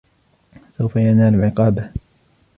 سوف ينال عقابه